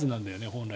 本来。